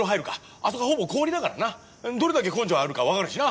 あそこはほぼ氷だからなどれだけ根性あるかわかるしな！